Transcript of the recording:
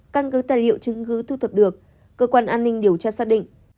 căn cứ tài liệu chứng cứ thu thập được cơ quan an ninh điều tra xác định